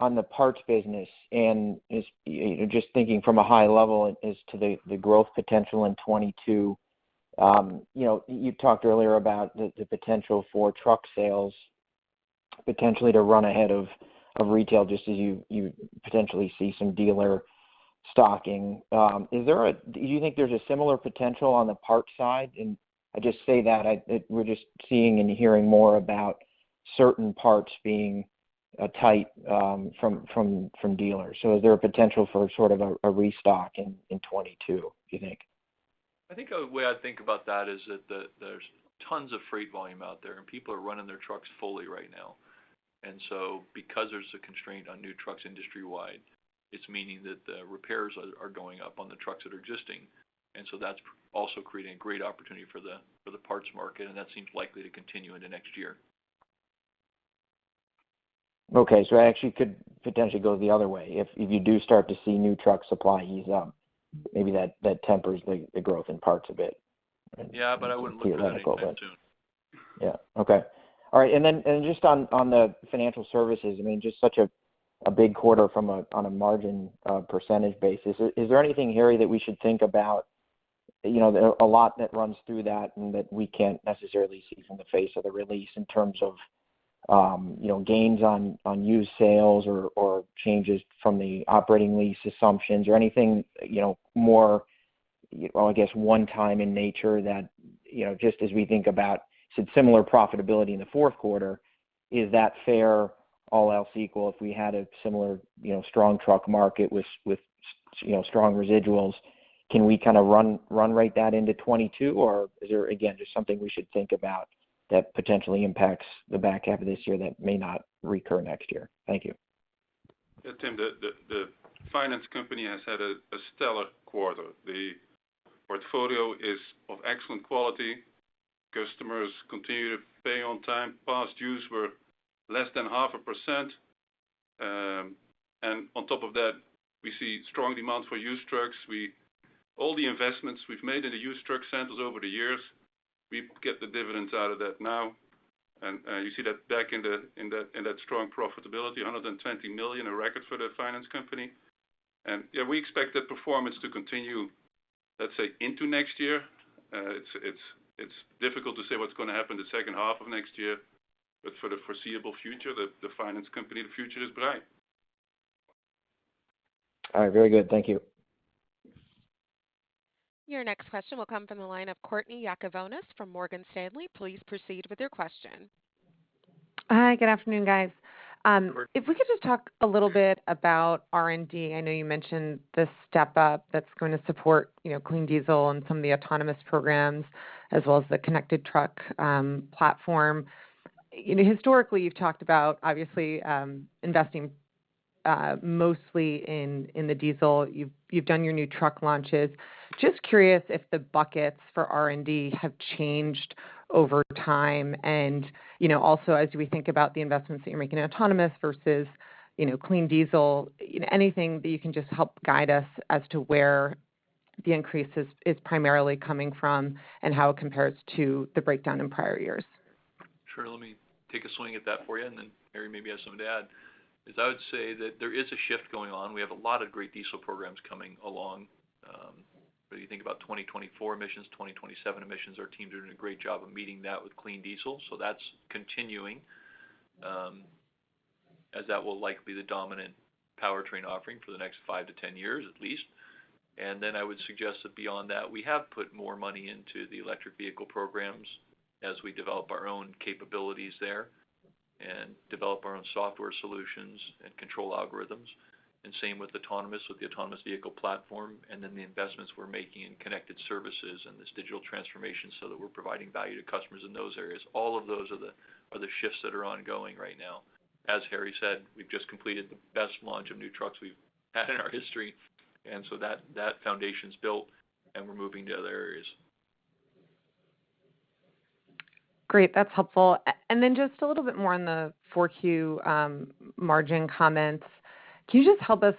the parts business and, you know, just thinking from a high level as to the growth potential in 2022. You know, you talked earlier about the potential for truck sales potentially to run ahead of retail just as you potentially see some dealer stocking. Is there a similar potential on the parts side, do you think? I just say that we're just seeing and hearing more about certain parts being tight from dealers. Is there a potential for sort of a restock in 2022, do you think? I think the way I think about that is that there's tons of freight volume out there, and people are running their trucks fully right now. Because there's a constraint on new trucks industry-wide, it's meaning that the repairs are going up on the trucks that are existing. That's also creating a great opportunity for the parts market, and that seems likely to continue into next year. Okay, it actually could potentially go the other way. If you do start to see new truck supply ease up, maybe that tempers the growth in parts a bit. I wouldn't look at it in that tone. Just on the financial services, I mean, just such a big quarter from a on a margin percentage basis. Is there anything, Harrie, that we should think about, you know, there's a lot that runs through that and that we can't necessarily see from the face of the release in terms of, you know, gains on used sales or changes from the operating lease assumptions or anything, you know, more well, I guess one time in nature that, you know, just as we think about some similar profitability in the fourth quarter, is that fair all else equal if we had a similar, you know, strong truck market with strong residuals? Can we kind of run-rate that into 2022? is there, again, just something we should think about that potentially impacts the back half of this year that may not recur next year? Thank you. Yeah, Tim, the finance company has had a stellar quarter. The portfolio is of excellent quality. Customers continue to pay on time. Past dues were less than 0.5%. On top of that, we see strong demand for used trucks. All the investments we've made in the used truck centers over the years, we get the dividends out of that now. You see that back in that strong profitability, $120 million, a record for the finance company. Yeah, we expect that performance to continue, let's say, into next year. It's difficult to say what's gonna happen the second half of next year. For the foreseeable future, the finance company, the future is bright. All right. Very good. Thank you. Your next question will come from the line of Courtney Yakavonis from Morgan Stanley. Please proceed with your question. Hi. Good afternoon, guys. Good morning. If we could just talk a little bit about R&D. I know you mentioned the step-up that's going to support, you know, clean diesel and some of the autonomous programs as well as the connected truck platform. You know, historically, you've talked about obviously investing mostly in the diesel. You've done your new truck launches. Just curious if the buckets for R&D have changed over time. You know, also as we think about the investments that you're making in autonomous versus, you know, clean diesel, you know, anything that you can just help guide us as to where the increase is primarily coming from and how it compares to the breakdown in prior years. Sure. Let me take a swing at that for you, and then Harrie maybe has something to add. I would say that there is a shift going on. We have a lot of great diesel programs coming along, whether you think about 2024 emissions, 2027 emissions, our team's doing a great job of meeting that with clean diesel. That's continuing, as that will likely be the dominant powertrain offering for the next 5-10 years at least. I would suggest that beyond that, we have put more money into the electric vehicle programs as we develop our own capabilities there and develop our own software solutions and control algorithms. Same with autonomous, with the autonomous vehicle platform, and then the investments we're making in connected services and this digital transformation so that we're providing value to customers in those areas. All of those are the shifts that are ongoing right now. As Harrie said, we've just completed the best launch of new trucks we've had in our history. That foundation's built, and we're moving to other areas. Great. That's helpful. Just a little bit more on the 4Q margin comments. Can you just help us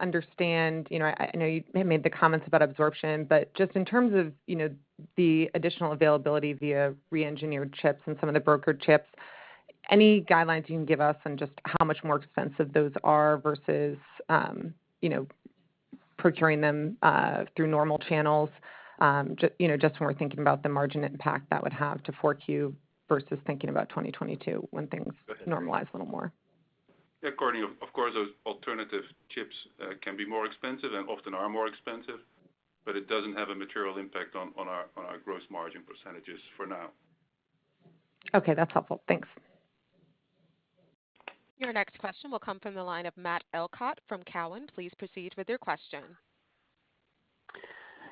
understand, you know, I know you made the comments about absorption, but just in terms of, you know, the additional availability via re-engineered chips and some of the brokered chips, any guidelines you can give us on just how much more expensive those are versus, you know, procuring them through normal channels, you know, just when we're thinking about the margin impact that would have to 4Q versus thinking about 2022 when things normalize a little more. Yeah, according to, of course, those alternative chips can be more expensive and often are more expensive, but it doesn't have a material impact on our gross margin percentages for now. Okay, that's helpful. Thanks. Your next question will come from the line of Matt Elkott from Cowen. Please proceed with your question.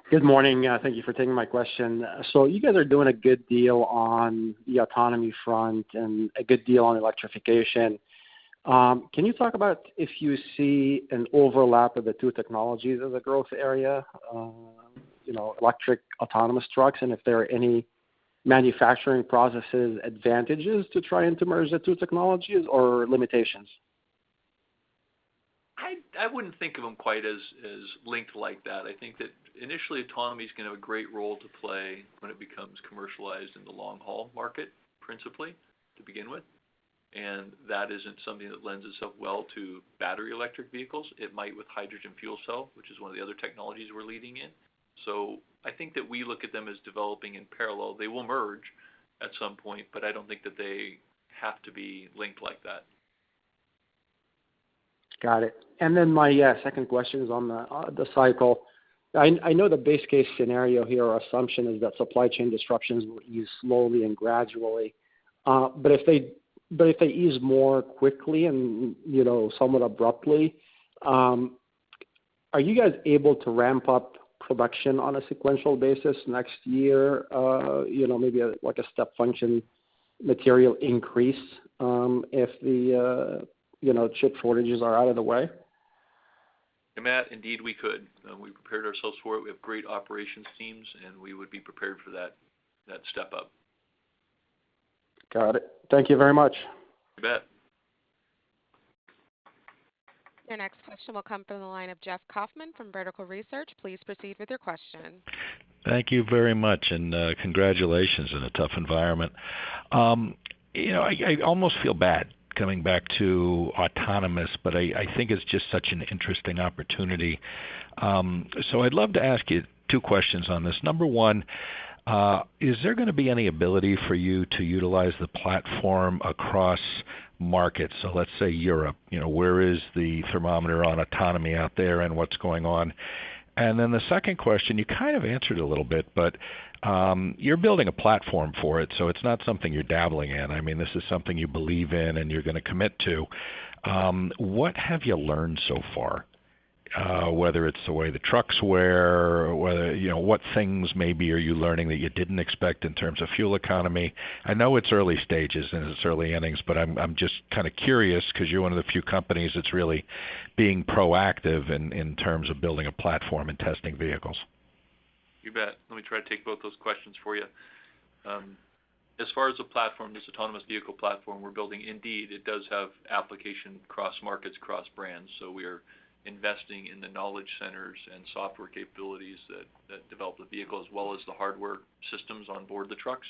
Good morning. Thank you for taking my question. You guys are doing a good deal on the autonomy front and a good deal on electrification. Can you talk about if you see an overlap of the two technologies as a growth area, you know, electric autonomous trucks, and if there are any manufacturing processes advantages to try and to merge the two technologies or limitations? I wouldn't think of them quite as linked like that. I think that initially, autonomy is gonna have a great role to play when it becomes commercialized in the long-haul market, principally to begin with. That isn't something that lends itself well to battery electric vehicles. It might with hydrogen fuel cell, which is one of the other technologies we're leading in. I think that we look at them as developing in parallel. They will merge at some point, but I don't think that they have to be linked like that. Got it. My, yeah, second question is on the cycle. I know the base case scenario here or assumption is that supply chain disruptions will ease slowly and gradually. If they ease more quickly and, you know, somewhat abruptly, are you guys able to ramp up production on a sequential basis next year, you know, maybe like a step function material increase, if the, you know, chip shortages are out of the way? Matt, indeed we could. We've prepared ourselves for it. We have great operations teams, and we would be prepared for that step up. Got it. Thank you very much. You bet. Your next question will come from the line of Jeffrey Kauffman from Vertical Research. Please proceed with your question. Thank you very much and congratulations in a tough environment. You know, I almost feel bad coming back to autonomous, but I think it's just such an interesting opportunity. I'd love to ask you two questions on this. Number one, is there gonna be any ability for you to utilize the platform across markets? Let's say Europe, you know, where is the thermometer on autonomy out there and what's going on? The second question, you kind of answered a little bit, but you're building a platform for it, so it's not something you're dabbling in. I mean, this is something you believe in and you're gonna commit to. What have you learned so far? Whether it's the way the trucks were or whether, you know, what things maybe are you learning that you didn't expect in terms of fuel economy? I know it's early stages, and it's early innings, but I'm just kind of curious because you're one of the few companies that's really being proactive in terms of building a platform and testing vehicles. You bet. Let me try to take both those questions for you. As far as the platform, this autonomous vehicle platform we're building, indeed, it does have application across markets, across brands. We are investing in the knowledge centers and software capabilities that develop the vehicle, as well as the hardware systems on board the trucks,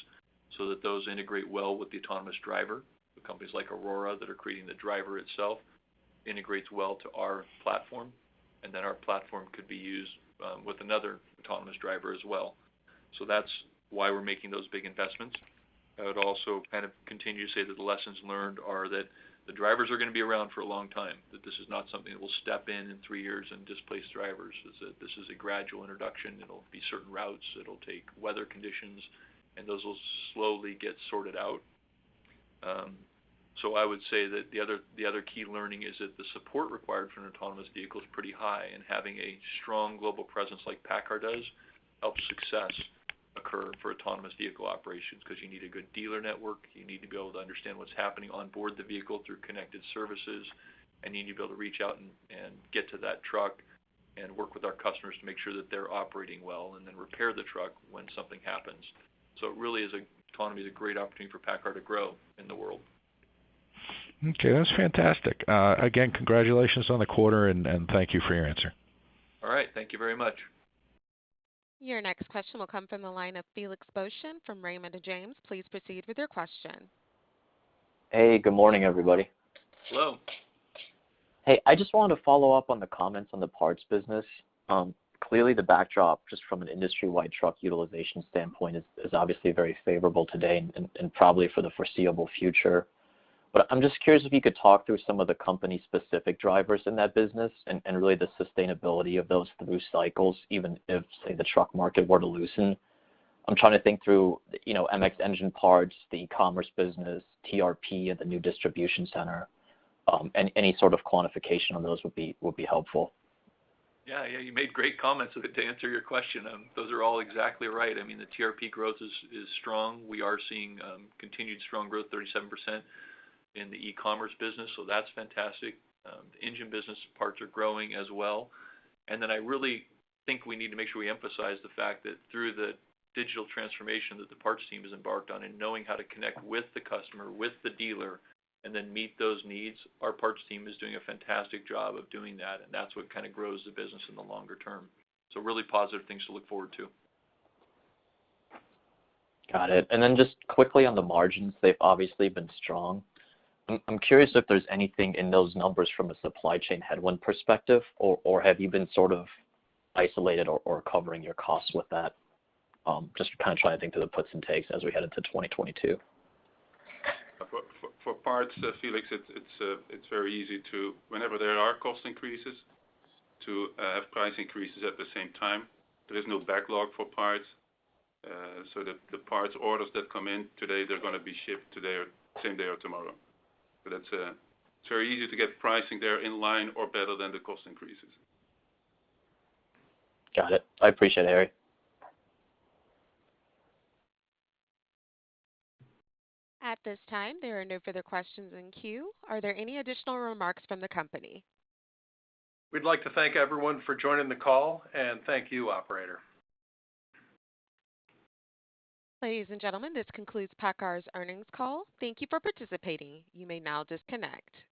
so that those integrate well with the autonomous driver. The companies like Aurora that are creating the driver itself integrates well to our platform. Our platform could be used with another autonomous driver as well. That's why we're making those big investments. I would also kind of continue to say that the lessons learned are that the drivers are gonna be around for a long time, that this is not something that will step in in three years and displace drivers. This is a gradual introduction. It'll be certain routes. It'll take weather conditions, and those will slowly get sorted out. I would say that the other key learning is that the support required for an autonomous vehicle is pretty high. Having a strong global presence like PACCAR does helps success occur for autonomous vehicle operations because you need a good dealer network. You need to be able to understand what's happening on board the vehicle through connected services. You need to be able to reach out and get to that truck and work with our customers to make sure that they're operating well and then repair the truck when something happens. It really is. Autonomy is a great opportunity for PACCAR to grow in the world. Okay, that's fantastic. Again, congratulations on the quarter, and thank you for your answer. All right. Thank you very much. Your next question will come from the line of Felix Boeschen from Raymond James. Please proceed with your question. Hey, good morning, everybody. Hello. Hey, I just wanted to follow up on the comments on the parts business. Clearly the backdrop just from an industry-wide truck utilization standpoint is obviously very favorable today and probably for the foreseeable future. I'm just curious if you could talk through some of the company-specific drivers in that business and really the sustainability of those through cycles, even if, say, the truck market were to loosen. I'm trying to think through, you know, MX engine parts, the e-commerce business, TRP at the new distribution center. Any sort of quantification on those would be helpful. Yeah. Yeah, you made great comments. To answer your question, those are all exactly right. I mean, the TRP growth is strong. We are seeing continued strong growth, 37% in the e-commerce business, so that's fantastic. The engine business parts are growing as well. I really think we need to make sure we emphasize the fact that through the digital transformation that the parts team has embarked on and knowing how to connect with the customer, with the dealer, and then meet those needs, our parts team is doing a fantastic job of doing that, and that's what kind of grows the business in the longer term. Really positive things to look forward to. Got it. Just quickly on the margins, they've obviously been strong. I'm curious if there's anything in those numbers from a supply chain headwind perspective, or have you been sort of isolated or covering your costs with that? Just kind of trying to think through the puts and takes as we head into 2022. For parts, Felix, it's very easy whenever there are cost increases to have price increases at the same time. There is no backlog for parts, so that the parts orders that come in today, they're gonna be shipped today or same day or tomorrow. It's very easy to get pricing there in line or better than the cost increases. Got it. I appreciate it, Harrie. At this time, there are no further questions in queue. Are there any additional remarks from the company? We'd like to thank everyone for joining the call, and thank you, operator. Ladies and gentlemen, this concludes PACCAR's earnings call. Thank you for participating. You may now disconnect.